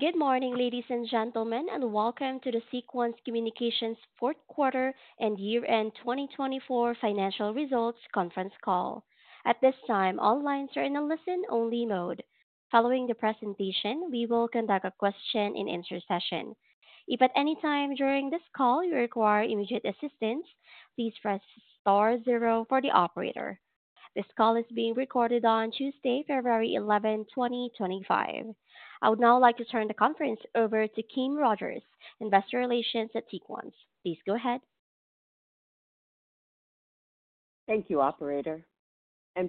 Good morning, ladies and gentlemen, and welcome to the Sequans Communications Fourth Quarter and Year End 2024 Financial Results Conference Call. At this time, all lines are in a listen-only mode. Following the presentation, we will conduct a question-and-answer session. If at any time during this call you require immediate assistance, please press star zero for the operator. This call is being recorded on Tuesday, February 11, 2025. I would now like to turn the conference over to Kim Rogers, Investor Relations at Sequans. Please go ahead. Thank you, Operator.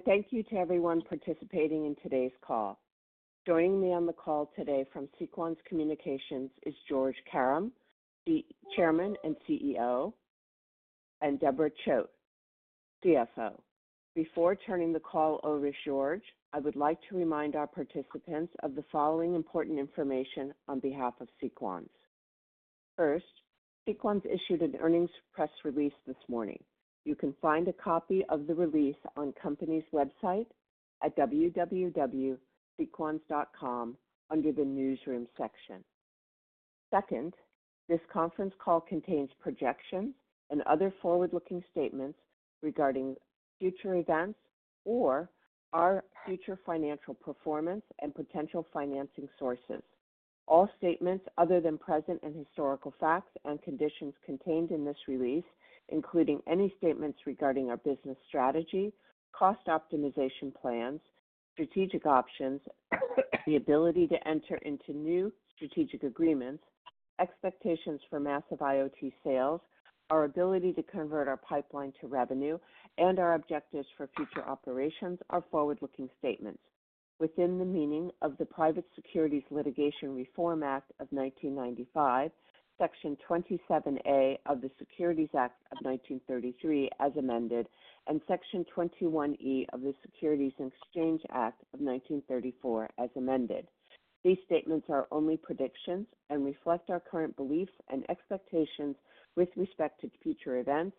Thank you to everyone participating in today's call. Joining me on the call today from Sequans Communications is George Karam, Chairman and CEO, and Deborah Choate, CFO. Before turning the call over, George, I would like to remind our participants of the following important information on behalf of Sequans. First, Sequans issued an earnings press release this morning. You can find a copy of the release on the company's website at www.sequans.com under the Newsroom section. Second, this conference call contains projections and other forward-looking statements regarding future events or our future financial performance and potential financing sources. All statements other than present and historical facts and conditions contained in this release, including any statements regarding our business strategy, cost optimization plans, strategic options, the ability to enter into new strategic agreements, expectations for massive IoT sales, our ability to convert our pipeline to revenue, and our objectives for future operations, are forward-looking statements within the meaning of the Private Securities Litigation Reform Act of 1995, Section 27A of the Securities Act of 1933 as amended, and Section 21E of the Securities and Exchange Act of 1934 as amended. These statements are only predictions and reflect our current beliefs and expectations with respect to future events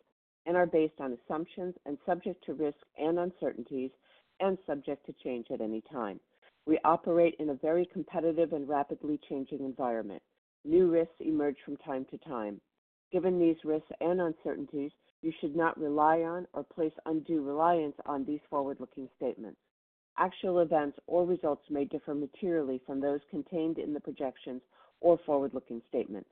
and are based on assumptions and subject to risk and uncertainties and subject to change at any time. We operate in a very competitive and rapidly changing environment. New risks emerge from time to time. Given these risks and uncertainties, you should not rely on or place undue reliance on these forward-looking statements. Actual events or results may differ materially from those contained in the projections or forward-looking statements.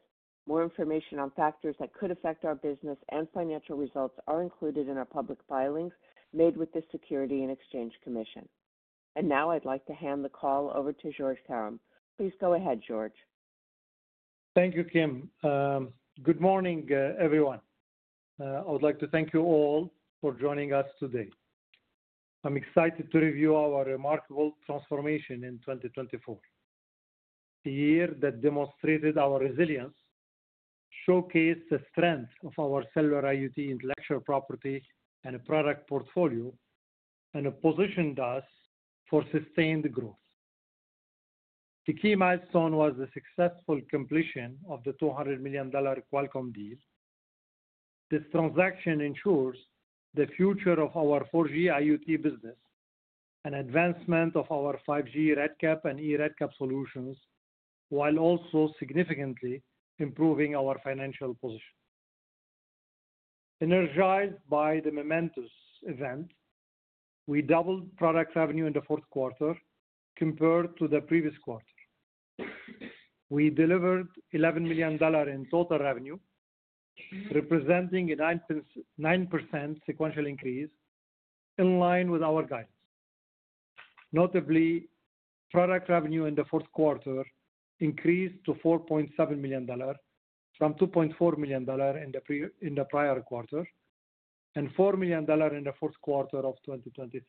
More information on factors that could affect our business and financial results is included in our public filings made with the Securities and Exchange Commission. I would like to hand the call over to Georges Karam. Please go ahead, Georges. Thank you, Kim. Good morning, everyone. I would like to thank you all for joining us today. I'm excited to review our remarkable transformation in 2024, a year that demonstrated our resilience, showcased the strength of our cellular IoT intellectual property and product portfolio, and positioned us for sustained growth. The key milestone was the successful completion of the $200 million Qualcomm deal. This transaction ensures the future of our 4G IoT business and advancement of our 5G RedCap and eRedCap solutions, while also significantly improving our financial position. Energized by the momentous event, we doubled product revenue in the fourth quarter compared to the previous quarter. We delivered $11 million in total revenue, representing a 9% sequential increase in line with our guidance. Notably, product revenue in the fourth quarter increased to $4.7 million from $2.4 million in the prior quarter and $4 million in the fourth quarter of 2023.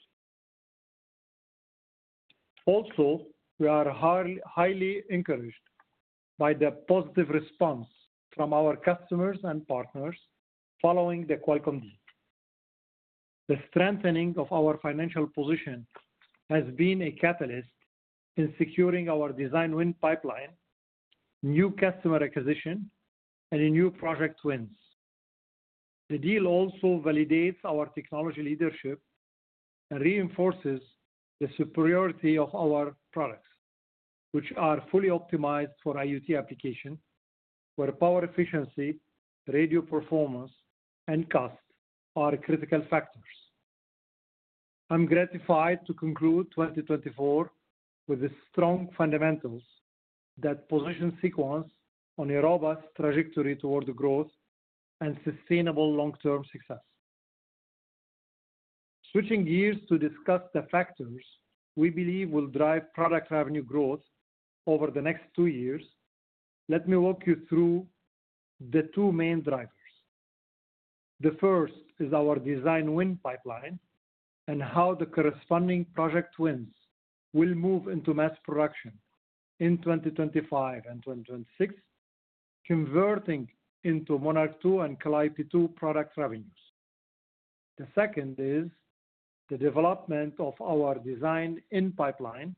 Also, we are highly encouraged by the positive response from our customers and partners following the Qualcomm deal. The strengthening of our financial position has been a catalyst in securing our design win pipeline, new customer acquisition, and new project wins. The deal also validates our technology leadership and reinforces the superiority of our products, which are fully optimized for IoT applications, where power efficiency, radio performance, and cost are critical factors. I'm gratified to conclude 2024 with the strong fundamentals that position Sequans on a robust trajectory toward growth and sustainable long-term success. Switching gears to discuss the factors we believe will drive product revenue growth over the next two years, let me walk you through the two main drivers. The first is our design win pipeline and how the corresponding project wins will move into mass production in 2025 and 2026, converting into Monarch2 and Calamity2 product revenues. The second is the development of our design in pipeline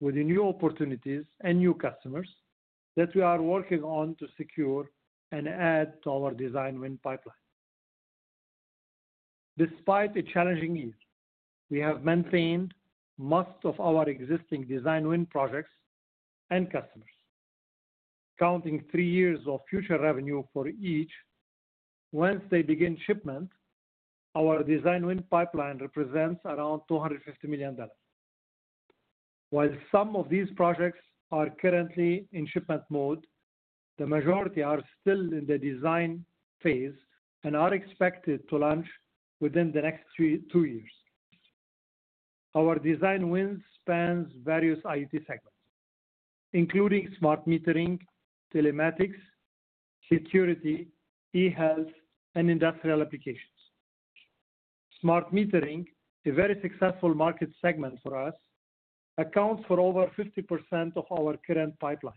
with new opportunities and new customers that we are working on to secure and add to our design win pipeline. Despite a challenging year, we have maintained most of our existing design win projects and customers, counting three years of future revenue for each. Once they begin shipment, our design win pipeline represents around $250 million. While some of these projects are currently in shipment mode, the majority are still in the design phase and are expected to launch within the next two years. Our design wins span various IoT segments, including smart metering, telematics, security, eHealth, and industrial applications. Smart metering, a very successful market segment for us, accounts for over 50% of our current pipeline.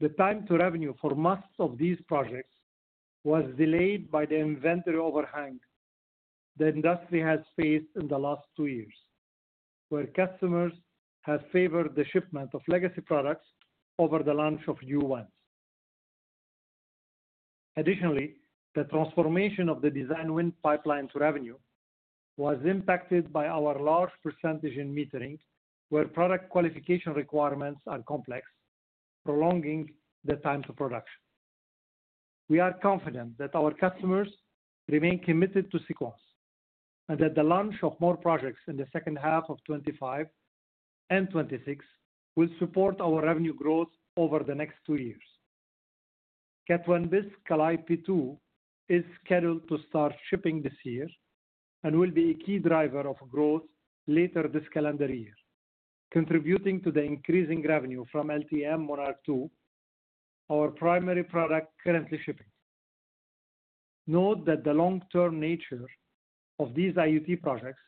The time to revenue for most of these projects was delayed by the inventory overhang the industry has faced in the last two years, where customers have favored the shipment of legacy products over the launch of new ones. Additionally, the transformation of the design win pipeline to revenue was impacted by our large percentage in metering, where product qualification requirements are complex, prolonging the time to production. We are confident that our customers remain committed to Sequans and that the launch of more projects in the second half of 2025 and 2026 will support our revenue growth over the next two years. Cat1 Bis Calamity2 is scheduled to start shipping this year and will be a key driver of growth later this calendar year, contributing to the increasing revenue from LTM Monarch2, our primary product currently shipping. Note that the long-term nature of these IoT projects,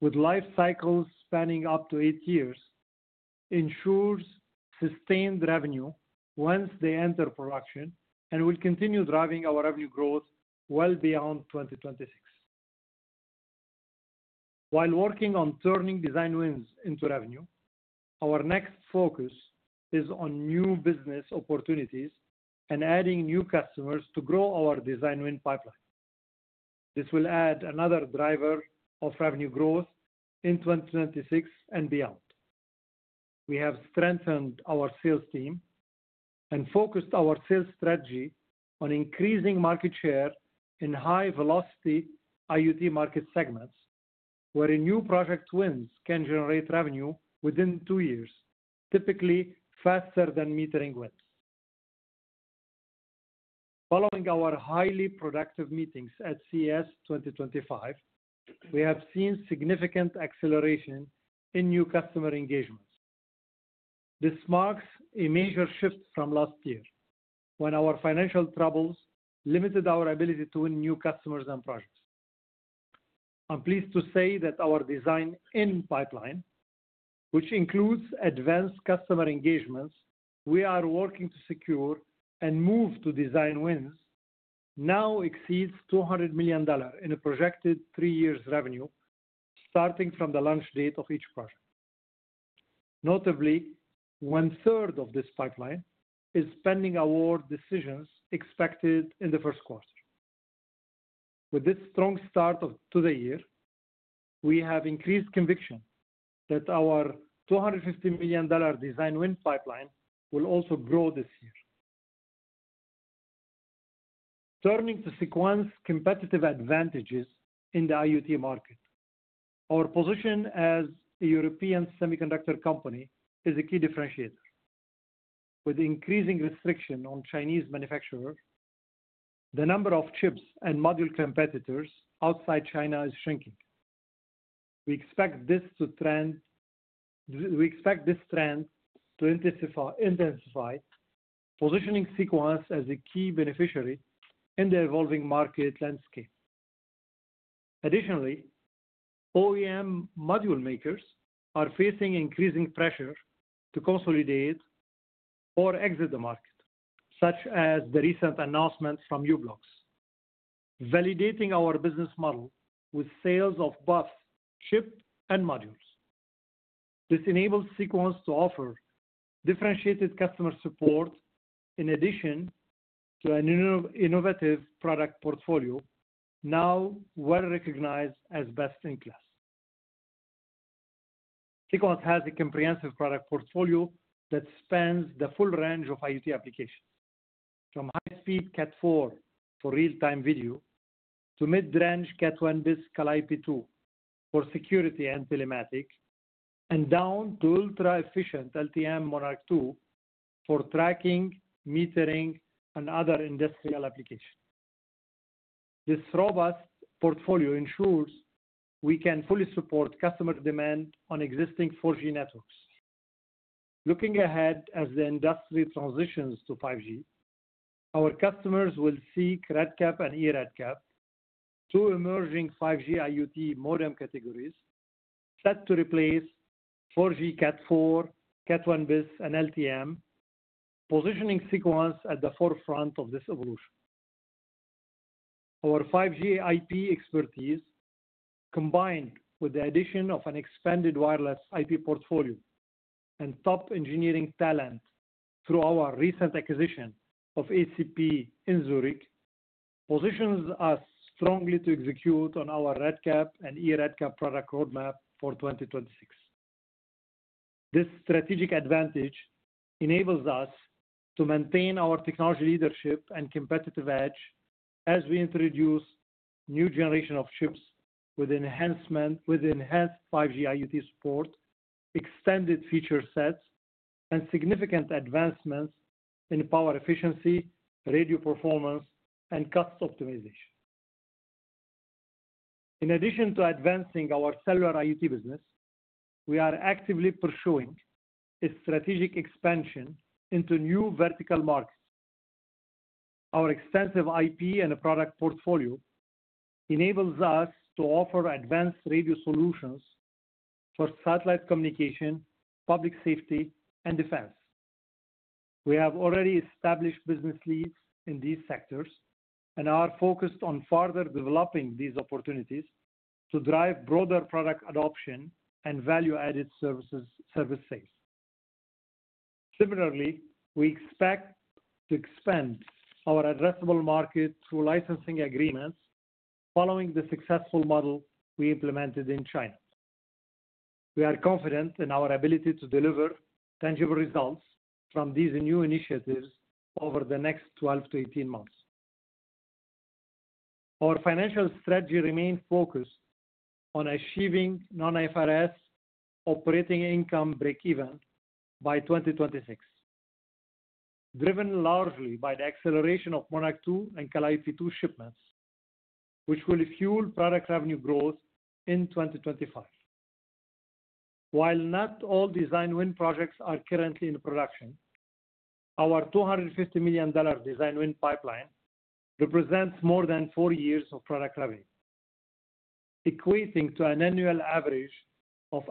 with life cycles spanning up to eight years, ensures sustained revenue once they enter production and will continue driving our revenue growth well beyond 2026. While working on turning design wins into revenue, our next focus is on new business opportunities and adding new customers to grow our design win pipeline. This will add another driver of revenue growth in 2026 and beyond. We have strengthened our sales team and focused our sales strategy on increasing market share in high-velocity IoT market segments, where new project wins can generate revenue within two years, typically faster than metering wins. Following our highly productive meetings at CES 2025, we have seen significant acceleration in new customer engagements. This marks a major shift from last year when our financial troubles limited our ability to win new customers and projects. I'm pleased to say that our design win pipeline, which includes advanced customer engagements we are working to secure and move to design wins, now exceeds $200 million in projected three-year revenue starting from the launch date of each project. Notably, one-third of this pipeline is pending award decisions expected in the first quarter. With this strong start of the year, we have increased conviction that our $250 million design win pipeline will also grow this year. Turning to Sequans' competitive advantages in the IoT market, our position as a European semiconductor company is a key differentiator. With increasing restrictions on Chinese manufacturers, the number of chips and module competitors outside China is shrinking. We expect this trend to intensify, positioning Sequans as a key beneficiary in the evolving market landscape. Additionally, OEM module makers are facing increasing pressure to consolidate or exit the market, such as the recent announcement from Ublox, validating our business model with sales of both chips and modules. This enables Sequans to offer differentiated customer support in addition to an innovative product portfolio now well recognized as best in class. Sequans has a comprehensive product portfolio that spans the full range of IoT applications, from high-speed Cat4 for real-time video to mid-range Cat 1 Bis Calamity2 for security and telematics, and down to ultra-efficient LTM Monarch2 for tracking, metering, and other industrial applications. This robust portfolio ensures we can fully support customer demand on existing 4G networks. Looking ahead as the industry transitions to 5G, our customers will seek RedCap and eRedCap, two emerging 5G IoT modem categories set to replace 4G Cat4, Cat1Bis, and LTM, positioning Sequans at the forefront of this evolution. Our 5G IP expertise, combined with the addition of an expanded wireless IP portfolio and top engineering talent through our recent acquisition of ACP in Zurich, positions us strongly to execute on our RedCap and eRedCap product roadmap for 2026. This strategic advantage enables us to maintain our technology leadership and competitive edge as we introduce a new generation of chips with enhanced 5G IoT support, extended feature sets, and significant advancements in power efficiency, radio performance, and cost optimization. In addition to advancing our cellular IoT business, we are actively pursuing a strategic expansion into new vertical markets. Our extensive IP and product portfolio enables us to offer advanced radio solutions for satellite communication, public safety, and defense. We have already established business leads in these sectors and are focused on further developing these opportunities to drive broader product adoption and value-added services. Similarly, we expect to expand our addressable market through licensing agreements following the successful model we implemented in China. We are confident in our ability to deliver tangible results from these new initiatives over the next 12 to 18 months. Our financial strategy remains focused on achieving non-IFRS operating income break-even by 2026, driven largely by the acceleration of Monarch2 and Calamity2 shipments, which will fuel product revenue growth in 2025. While not all design win projects are currently in production, our $250 million design win pipeline represents more than four years of product revenue, equating to an annual average of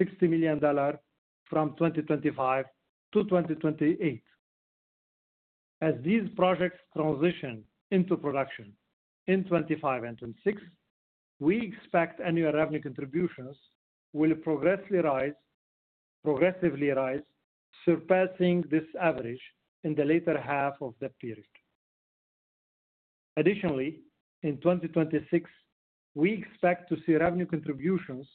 approximately $60 million from 2025 to 2028. As these projects transition into production in 2025 and 2026, we expect annual revenue contributions will progressively rise, surpassing this average in the later half of the period. Additionally, in 2026, we expect to see revenue contributions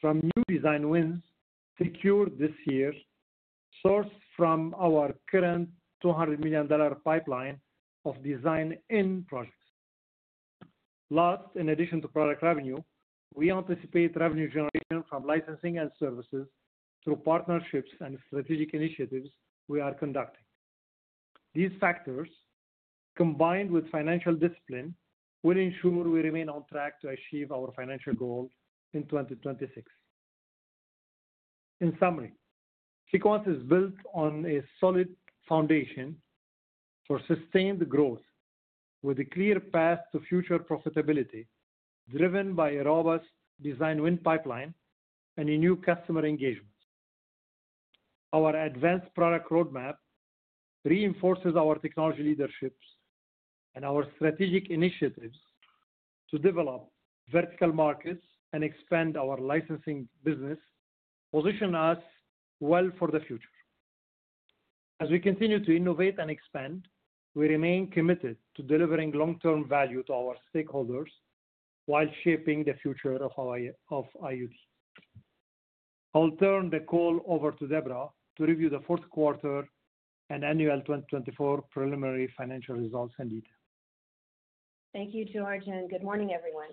from new design wins secured this year sourced from our current $200 million pipeline of design-in projects. Last, in addition to product revenue, we anticipate revenue generation from licensing and services through partnerships and strategic initiatives we are conducting. These factors, combined with financial discipline, will ensure we remain on track to achieve our financial goal in 2026. In summary, Sequans is built on a solid foundation for sustained growth with a clear path to future profitability driven by a robust design win pipeline and a new customer engagement. Our advanced product roadmap reinforces our technology leadership and our strategic initiatives to develop vertical markets and expand our licensing business, positioning us well for the future. As we continue to innovate and expand, we remain committed to delivering long-term value to our stakeholders while shaping the future of IoT. I'll turn the call over to Deborah to review the fourth quarter and annual 2024 preliminary financial results in detail. Thank you, George, and good morning, everyone.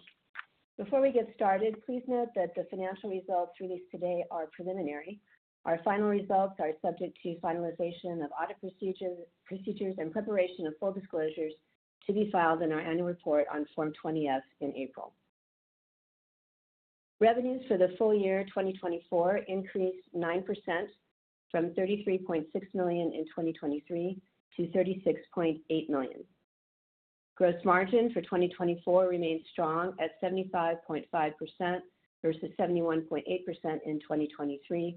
Before we get started, please note that the financial results released today are preliminary. Our final results are subject to finalization of audit procedures and preparation of full disclosures to be filed in our annual report on Form 20F in April. Revenues for the full year 2024 increased 9% from $33.6 million in 2023 to $36.8 million. Gross margin for 2024 remains strong at 75.5% versus 71.8% in 2023,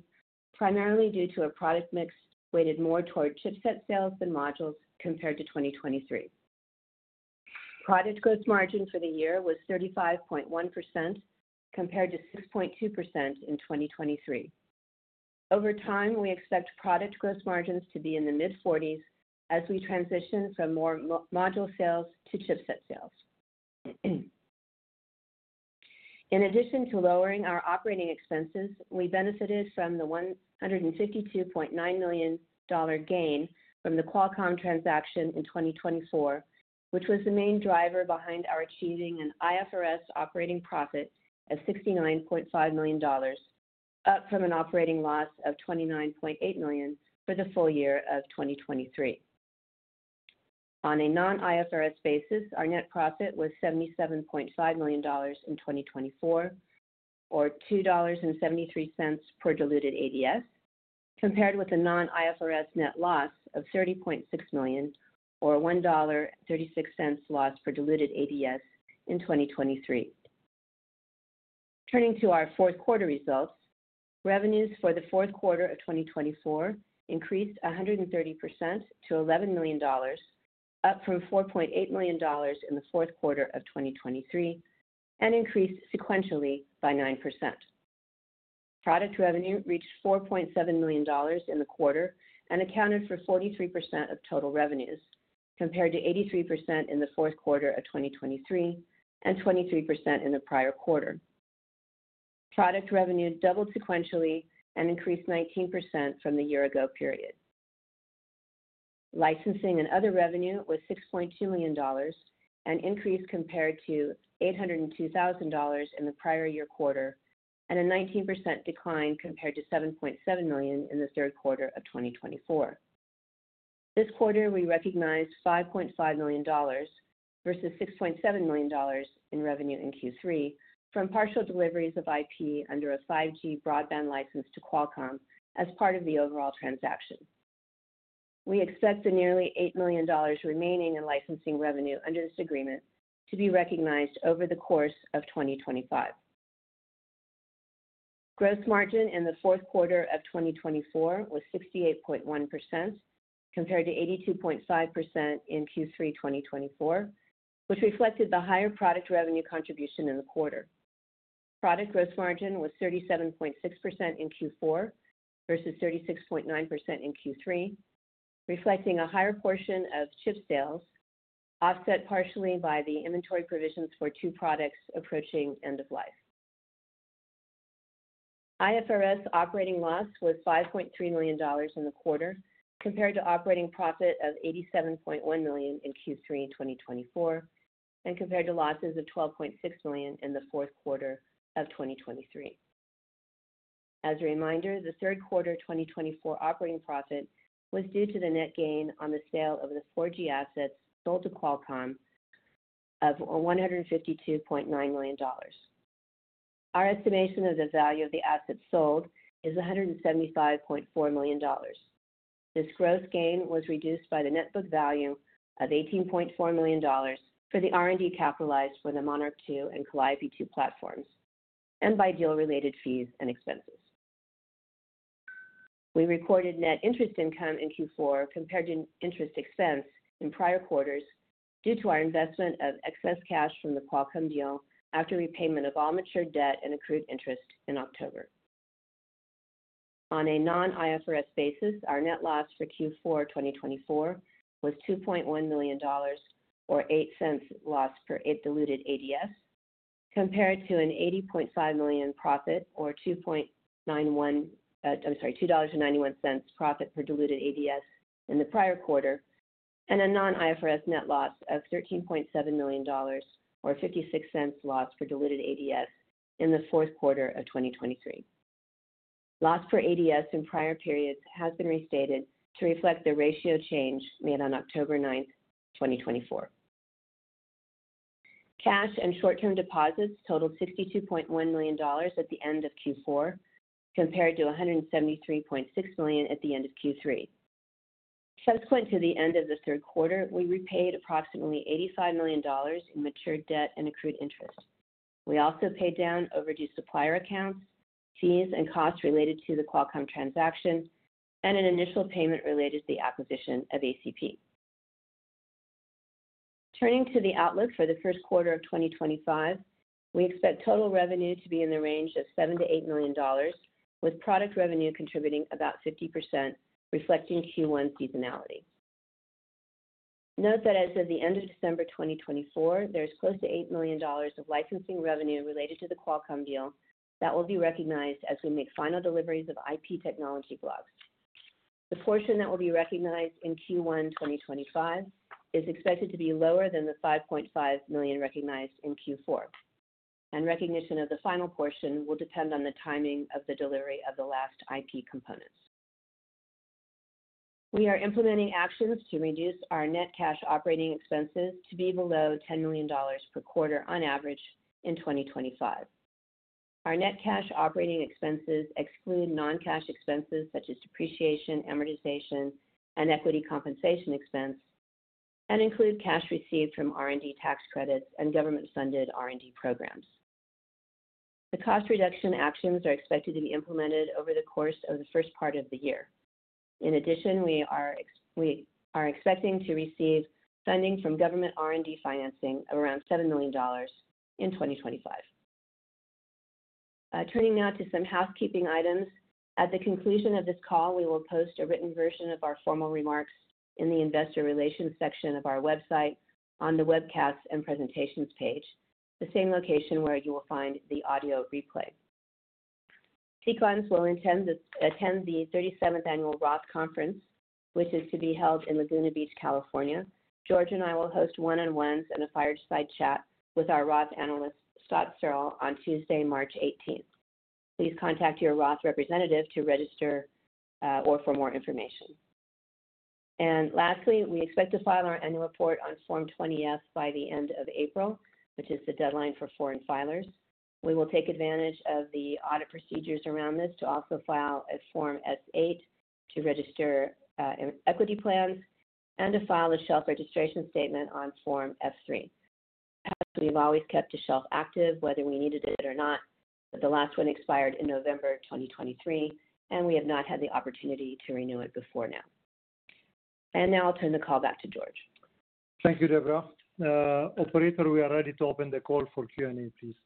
primarily due to a product mix weighted more toward chipset sales than modules compared to 2023. Product gross margin for the year was 35.1% compared to 6.2% in 2023. Over time, we expect product gross margins to be in the mid-40s as we transition from more module sales to chipset sales. In addition to lowering our operating expenses, we benefited from the $152.9 million gain from the Qualcomm transaction in 2024, which was the main driver behind our achieving an IFRS operating profit of $69.5 million, up from an operating loss of $29.8 million for the full year of 2023. On a non-IFRS basis, our net profit was $77.5 million in 2024, or $2.73 per diluted ADS, compared with a non-IFRS net loss of $30.6 million, or $1.36 loss per diluted ADS in 2023. Turning to our fourth quarter results, revenues for the fourth quarter of 2024 increased 130% to $11 million, up from $4.8 million in the fourth quarter of 2023, and increased sequentially by 9%. Product revenue reached $4.7 million in the quarter and accounted for 43% of total revenues, compared to 83% in the fourth quarter of 2023 and 23% in the prior quarter. Product revenue doubled sequentially and increased 19% from the year-ago period. Licensing and other revenue was $6.2 million and increased compared to $802,000 in the prior year quarter, and a 19% decline compared to $7.7 million in the third quarter of 2024. This quarter, we recognized $5.5 million versus $6.7 million in revenue in Q3 from partial deliveries of IP under a 5G broadband license to Qualcomm as part of the overall transaction. We expect the nearly $8 million remaining in licensing revenue under this agreement to be recognized over the course of 2025. Gross margin in the fourth quarter of 2024 was 68.1% compared to 82.5% in Q3 2024, which reflected the higher product revenue contribution in the quarter. Product gross margin was 37.6% in Q4 versus 36.9% in Q3, reflecting a higher portion of chip sales, offset partially by the inventory provisions for two products approaching end of life. IFRS operating loss was $5.3 million in the quarter compared to operating profit of $87.1 million in Q3 2024 and compared to losses of $12.6 million in the fourth quarter of 2023. As a reminder, the third quarter 2024 operating profit was due to the net gain on the sale of the 4G assets sold to Qualcomm of $152.9 million. Our estimation of the value of the assets sold is $175.4 million. This gross gain was reduced by the net book value of $18.4 million for the R&D capitalized for the Monarch2 and Calamity2 platforms and by deal-related fees and expenses. We recorded net interest income in Q4 compared to interest expense in prior quarters due to our investment of excess cash from the Qualcomm deal after repayment of all matured debt and accrued interest in October. On a non-IFRS basis, our net loss for Q4 2024 was $2.1 million, or $0.08 loss per diluted ADS, compared to an $80.5 million profit, or $2.91 profit per diluted ADS in the prior quarter, and a non-IFRS net loss of $13.7 million, or $0.56 loss per diluted ADS in the fourth quarter of 2023. Loss per ADS in prior periods has been restated to reflect the ratio change made on October 9, 2024. Cash and short-term deposits totaled $62.1 million at the end of Q4 compared to $173.6 million at the end of Q3. Subsequent to the end of the third quarter, we repaid approximately $85 million in matured debt and accrued interest. We also paid down overdue supplier accounts, fees, and costs related to the Qualcomm transaction, and an initial payment related to the acquisition of ACP. Turning to the outlook for the first quarter of 2025, we expect total revenue to be in the range of $7-$8 million, with product revenue contributing about 50%, reflecting Q1 seasonality. Note that as of the end of December 2024, there is close to $8 million of licensing revenue related to the Qualcomm deal that will be recognized as we make final deliveries of IP technology blocks. The portion that will be recognized in Q1 2025 is expected to be lower than the $5.5 million recognized in Q4, and recognition of the final portion will depend on the timing of the delivery of the last IP components. We are implementing actions to reduce our net cash operating expenses to be below $10 million per quarter on average in 2025. Our net cash operating expenses exclude non-cash expenses such as depreciation, amortization, and equity compensation expense, and include cash received from R&D tax credits and government-funded R&D programs. The cost reduction actions are expected to be implemented over the course of the first part of the year. In addition, we are expecting to receive funding from government R&D financing of around $7 million in 2025. Turning now to some housekeeping items. At the conclusion of this call, we will post a written version of our formal remarks in the Investor Relations section of our website on the webcast and presentations page, the same location where you will find the audio replay. Sequans will attend the 37th Annual Roth Conference, which is to be held in Laguna Beach, California. George and I will host one-on-ones and a fireside chat with our Roth analyst, Scott Searle, on Tuesday, March 18. Please contact your Roth representative to register or for more information. We expect to file our annual report on Form 20F by the end of April, which is the deadline for foreign filers. We will take advantage of the audit procedures around this to also file a Form S8 to register equity plans and to file a shelf registration statement on Form F3. We have always kept the shelf active, whether we needed it or not, but the last one expired in November 2023, and we have not had the opportunity to renew it before now. Now I'll turn the call back to George. Thank you, Deborah. Operator, we are ready to open the call for Q&A, please.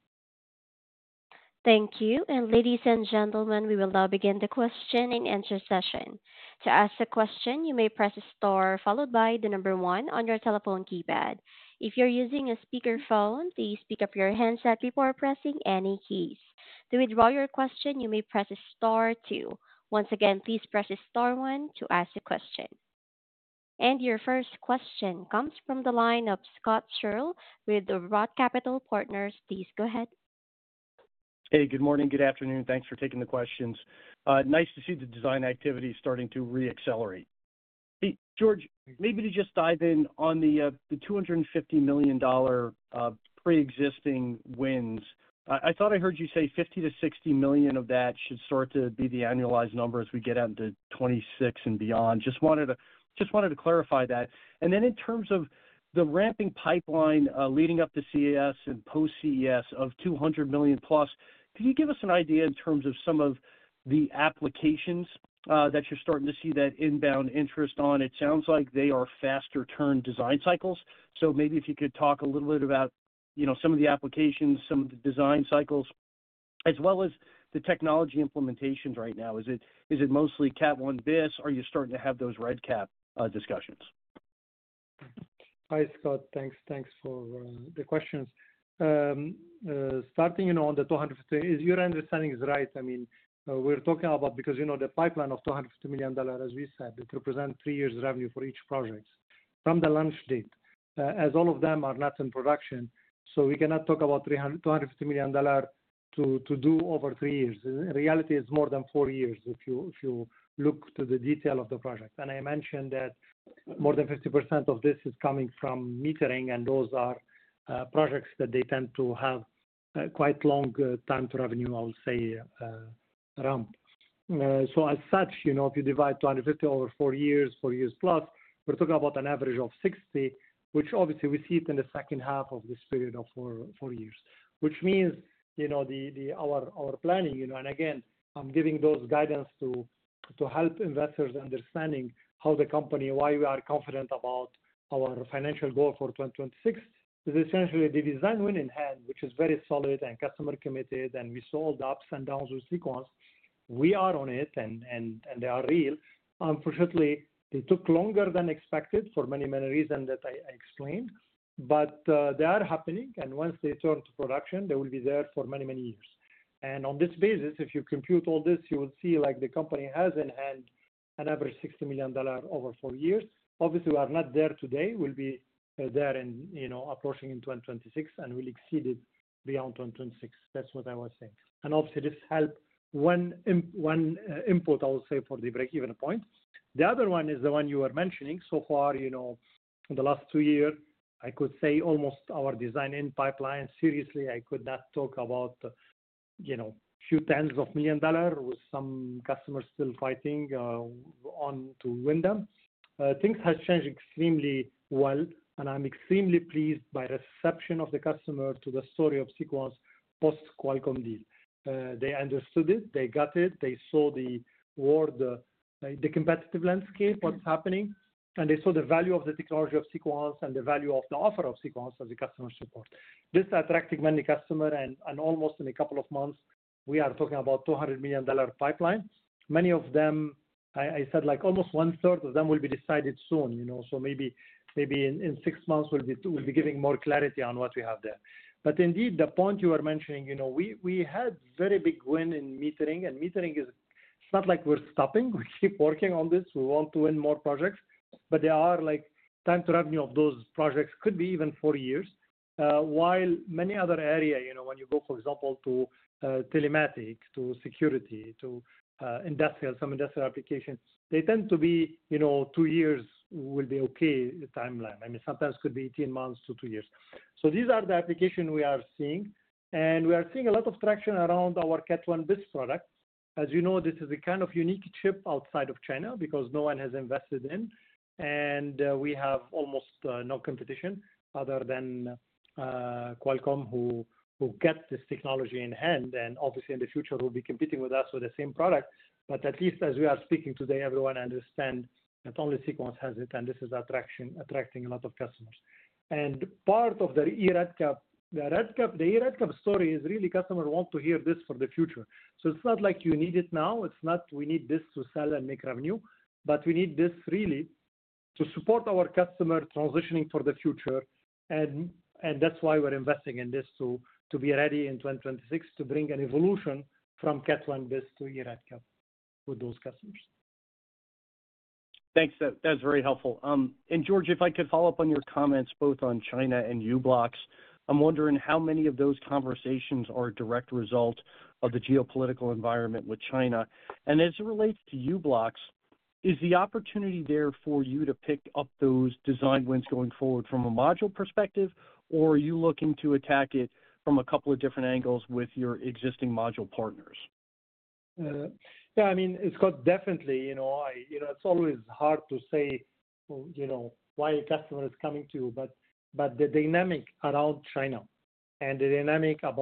Thank you. Ladies and gentlemen, we will now begin the question and answer session. To ask a question, you may press star followed by the number one on your telephone keypad. If you're using a speakerphone, please pick up your headset before pressing any keys. To withdraw your question, you may press star two. Once again, please press star one to ask a question. Your first question comes from the line of Scott Searle with Roth Capital Partners. Please go ahead. Hey, good morning. Good afternoon. Thanks for taking the questions. Nice to see the design activity starting to re-accelerate. George, maybe to just dive in on the $250 million pre-existing wins. I thought I heard you say $50-$60 million of that should start to be the annualized number as we get out into 2026 and beyond. Just wanted to clarify that. In terms of the ramping pipeline leading up to CES and post-CES of $200 million plus, could you give us an idea in terms of some of the applications that you're starting to see that inbound interest on? It sounds like they are faster-turn design cycles. Maybe if you could talk a little bit about some of the applications, some of the design cycles, as well as the technology implementations right now. Is it mostly Cat 1 Bis? Are you starting to have those RedCap discussions? Hi, Scott. Thanks for the questions. Starting on the $250 million, is your understanding right? I mean, we're talking about because the pipeline of $250 million, as we said, it represents three years' revenue for each project from the launch date. As all of them are not in production, so we cannot talk about $250 million to do over three years. In reality, it's more than four years if you look to the detail of the project. I mentioned that more than 50% of this is coming from metering, and those are projects that they tend to have quite a long time to revenue, I would say, ramp. As such, if you divide $250 million over four years, four years plus, we're talking about an average of 60, which obviously we see it in the second half of this period of four years, which means our planning. I'm giving those guidance to help investors understanding how the company, why we are confident about our financial goal for 2026, is essentially the design winning hand, which is very solid and customer-committed, and we saw the ups and downs with Sequans. We are on it, and they are real. Unfortunately, it took longer than expected for many, many reasons that I explained, but they are happening. Once they turn to production, they will be there for many, many years. On this basis, if you compute all this, you will see the company has in hand an average $60 million over four years. Obviously, we are not there today. We'll be there in approaching in 2026, and we'll exceed it beyond 2026. That's what I was saying. Obviously, this helped one input, I would say, for the break-even point. The other one is the one you were mentioning. So far, in the last two years, I could say almost our design win pipeline. Seriously, I could not talk about a few tens of million dollars with some customers still fighting on to win them. Things have changed extremely well, and I'm extremely pleased by the reception of the customer to the story of Sequans' post-Qualcomm deal. They understood it. They got it. They saw the competitive landscape, what's happening, and they saw the value of the technology of Sequans and the value of the offer of Sequans as a customer support. This attracted many customers, and almost in a couple of months, we are talking about a $200 million pipeline. Many of them, I said, almost one-third of them will be decided soon. Maybe in six months, we'll be giving more clarity on what we have there. Indeed, the point you were mentioning, we had very big win in metering, and metering is not like we're stopping. We keep working on this. We want to win more projects, but the time to revenue of those projects could be even four years. While many other areas, when you go, for example, to telematics, to security, to industrial, some industrial applications, they tend to be two years will be okay timeline. I mean, sometimes it could be 18 months to two years. These are the applications we are seeing, and we are seeing a lot of traction around our Cat 1 Bis product. As you know, this is a kind of unique chip outside of China because no one has invested in, and we have almost no competition other than Qualcomm, who get this technology in hand. Obviously, in the future, they will be competing with us with the same product. At least as we are speaking today, everyone understands that only Sequans has it, and this is attracting a lot of customers. Part of the eRedCap story is really customers want to hear this for the future. It is not like you need it now. It is not we need this to sell and make revenue, but we need this really to support our customer transitioning for the future. That is why we are investing in this to be ready in 2026 to bring an evolution from Cat 1 Bis to eRedCap with those customers. Thanks. That is very helpful. George, if I could follow up on your comments both on China and Ublox, I am wondering how many of those conversations are a direct result of the geopolitical environment with China. As it relates to Ublox, is the opportunity there for you to pick up those design wins going forward from a module perspective, or are you looking to attack it from a couple of different angles with your existing module partners? Yeah. I mean, Scott, definitely. It's always hard to say why a customer is coming to you, but the dynamic around China and the dynamic around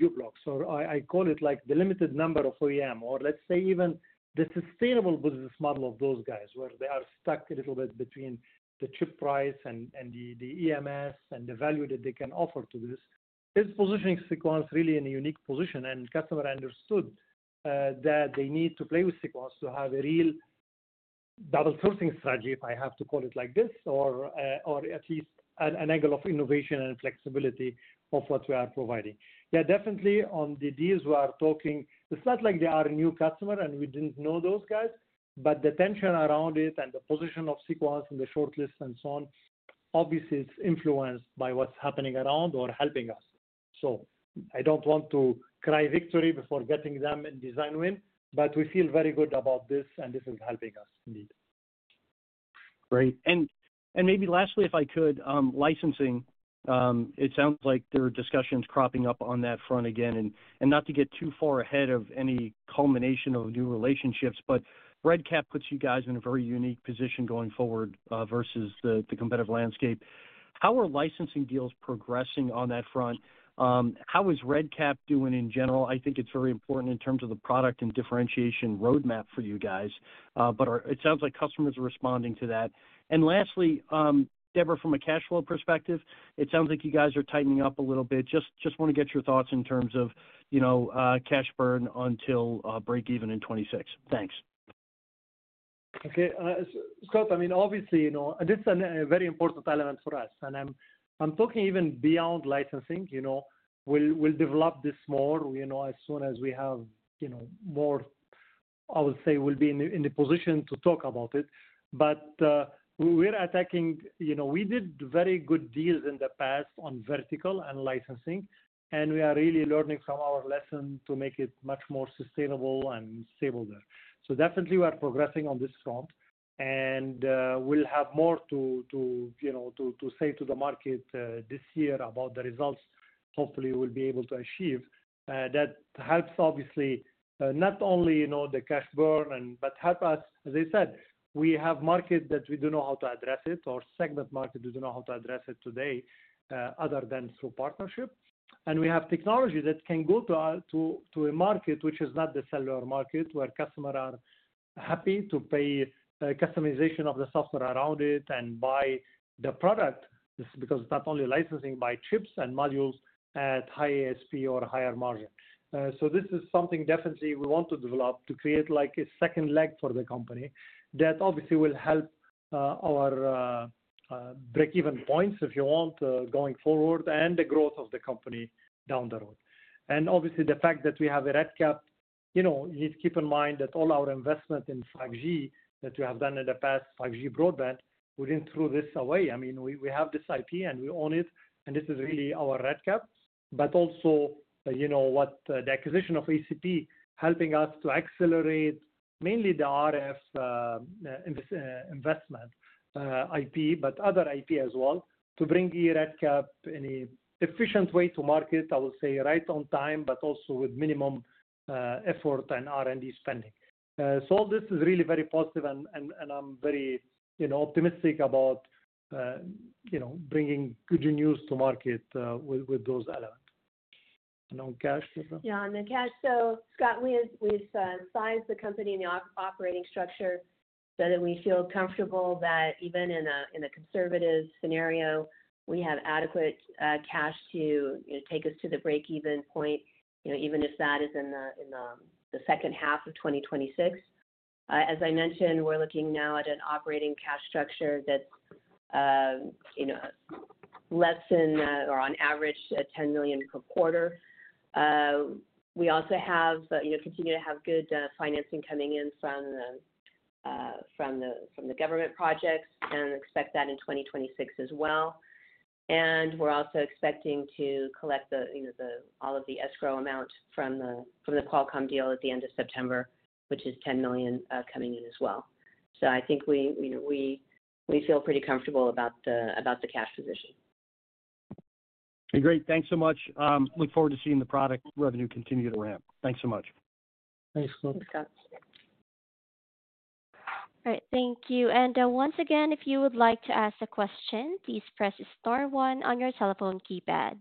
Ublox, or I call it the limited number of OEM, or let's say even the sustainable business model of those guys where they are stuck a little bit between the chip price and the EMS and the value that they can offer to this, is positioning Sequans really in a unique position. Customers understood that they need to play with Sequans to have a real double-sourcing strategy, if I have to call it like this, or at least an angle of innovation and flexibility of what we are providing. Yeah, definitely. On the deals we are talking, it's not like they are a new customer and we didn't know those guys, but the tension around it and the position of Sequans and the shortlist and so on, obviously, it's influenced by what's happening around or helping us. I don't want to cry victory before getting them in design win, but we feel very good about this, and this is helping us indeed. Great. Maybe lastly, if I could, licensing. It sounds like there are discussions cropping up on that front again. Not to get too far ahead of any culmination of new relationships, but RedCap puts you guys in a very unique position going forward versus the competitive landscape. How are licensing deals progressing on that front? How is RedCap doing in general? I think it's very important in terms of the product and differentiation roadmap for you guys, but it sounds like customers are responding to that. Lastly, Deborah, from a cash flow perspective, it sounds like you guys are tightening up a little bit. Just want to get your thoughts in terms of cash burn until break-even in 2026. Thanks. Okay. Scott, I mean, obviously, this is a very important element for us, and I'm talking even beyond licensing. We'll develop this more as soon as we have more, I would say, we'll be in the position to talk about it. We're attacking, we did very good deals in the past on vertical and licensing, and we are really learning from our lesson to make it much more sustainable and stable there. Definitely, we are progressing on this front, and we'll have more to say to the market this year about the results hopefully we'll be able to achieve. That helps, obviously, not only the cash burn, but helps us, as I said, we have market that we don't know how to address or segment, market we don't know how to address today other than through partnership. We have technology that can go to a market which is not the cellular market where customers are happy to pay customization of the software around it and buy the product because it's not only licensing but chips and modules at high ASP or higher margin. This is something definitely we want to develop to create a second leg for the company that obviously will help our break-even points, if you want, going forward and the growth of the company down the road. Obviously, the fact that we have a RedCap, you need to keep in mind that all our investment in 5G that we have done in the past, 5G broadband, we did not throw this away. I mean, we have this IP, and we own it, and this is really our RedCap. Also, what the acquisition of ACP is helping us to accelerate is mainly the RF investment IP, but other IP as well, to bring eRedCap in an efficient way to market, I would say, right on time, but also with minimum effort and R&D spending. All this is really very positive, and I'm very optimistic about bringing good news to market with those elements. On the cash. Scott, we've sized the company and the operating structure so that we feel comfortable that even in a conservative scenario, we have adequate cash to take us to the break-even point, even if that is in the second half of 2026. As I mentioned, we're looking now at an operating cash structure that's less than or on average $10 million per quarter. We also continue to have good financing coming in from the government projects and expect that in 2026 as well. We're also expecting to collect all of the escrow amount from the Qualcomm deal at the end of September, which is $10 million coming in as well. I think we feel pretty comfortable about the cash position. Great. Thanks so much. Look forward to seeing the product revenue continue to ramp. Thanks so much. Thanks, Scott. Thanks, Scott. All right. Thank you. If you would like to ask a question, please press star one on your telephone keypad.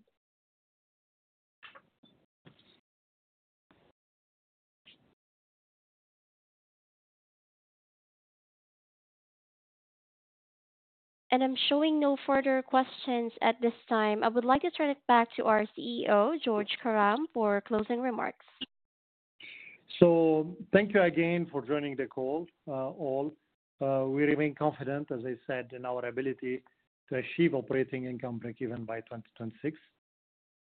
I'm showing no further questions at this time. I would like to turn it back to our CEO, George Karam, for closing remarks. Thank you again for joining the call, all. We remain confident, as I said, in our ability to achieve operating income break-even by 2026.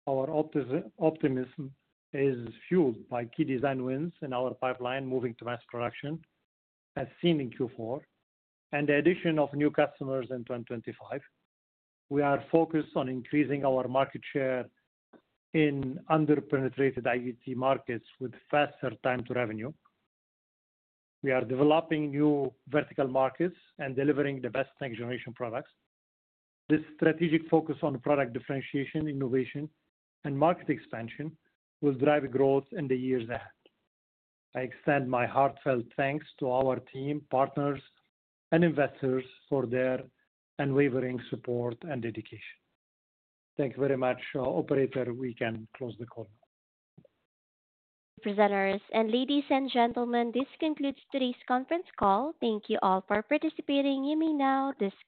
Our optimism is fueled by key design wins in our pipeline moving to mass production, as seen in Q4, and the addition of new customers in 2025. We are focused on increasing our market share in under-penetrated IoT markets with faster time to revenue. We are developing new vertical markets and delivering the best next-generation products. This strategic focus on product differentiation, innovation, and market expansion will drive growth in the years ahead. I extend my heartfelt thanks to our team, partners, and investors for their unwavering support and dedication. Thank you very much, Operator. We can close the call now. Presenters. Ladies and gentlemen, this concludes today's conference call. Thank you all for participating. You may now disconnect.